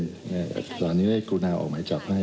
แล้วทุกคนจะเห็นว่าศาลนี้ได้กลุ่นาออกไหมจับให้